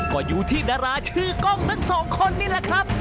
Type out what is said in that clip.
ก็อยู่ที่ดาราชื่อกล้องทั้งสองคนนี่แหละครับ